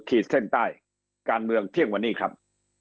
ขีดเส้นใต้การเมืองเที่ยงวันนี้ครับ